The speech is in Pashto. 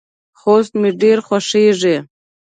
خوست مې ډیر خوښیږي.